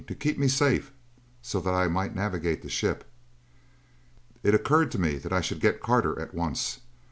To keep me safe so that I might navigate the ship. It occurred to me that I should get Carter at once.